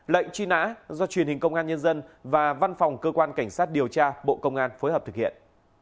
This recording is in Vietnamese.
lệnh truy nã do truyền hình công an nhân dân và văn phòng cơ quan cảnh sát điều tra bộ công an phối hợp thực hiện